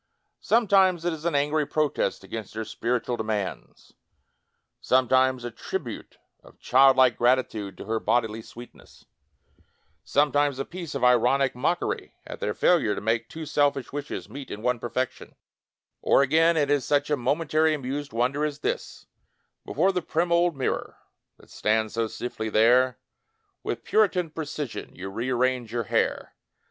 Sometimes it is an angry protest against her spiritual de mands; sometimes a tribute of child like gratitude to her bodily sweetness ; sometimes a piece of ironic mockery at their failure to make two selfish wishes meet in one perfection; or again it is such a momentary amused wonder as this : Before the prim, old mirror That stands so stiffly there. With puritan precision You rearrange your hair.